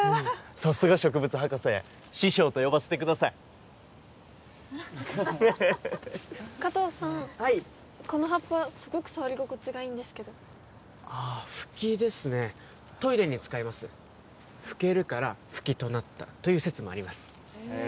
さすが植物博士師匠と呼ばせてください加藤さんはいこの葉っぱすごく触り心地がいいんですけどああフキですねトイレに使えますふけるからフキとなったという説もありますへえ